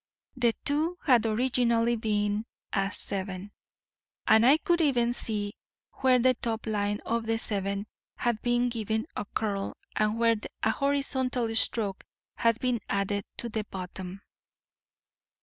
The 2 had originally been a 7, and I could even see where the top line of the 7 had been given a curl and where a horizontal stroke had been added at the bottom.